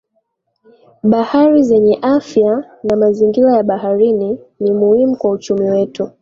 Bahari zenye afya na mazingira ya baharini ni muhimu kwa uchumi wetu